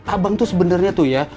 abang tuh sebenarnya tuh ya